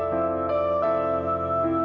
ma aku mau pergi